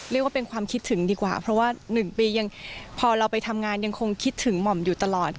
เรียกว่าเป็นความคิดถึงดีกว่าเพราะว่า๑ปียังพอเราไปทำงานยังคงคิดถึงหม่อมอยู่ตลอด